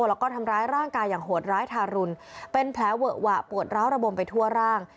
แล้วก็ทำร้ายร่างกายอย่างโหดร้ายทารุณเป็นแผลเวอะหวะปวดร้าวระบมไปทั่วร่าง